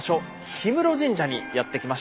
氷室神社にやって来ました。